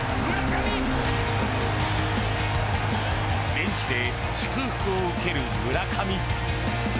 ベンチで祝福を受ける村上。